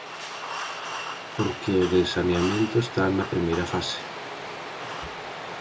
Porque o de saneamento está na primeira fase.